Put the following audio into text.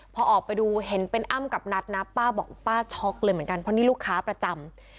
พอออกไปดูเห็นเป็นอ้ำกับนัทนะป้าบอกป้าช็อกเลยเหมือนกันเพราะนี่ลูกค้าประจำ